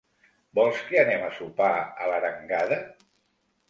¿Vols que anem a sopar a l'Arengada?